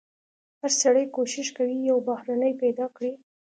هر سړی کوښښ کوي یو بهرنی پیدا کړي.